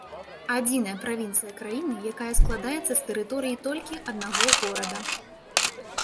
Адзіная правінцыя краіны, якая складаецца з тэрыторыі толькі аднаго горада.